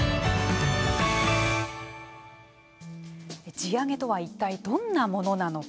地上げとは一体どんなものなのか。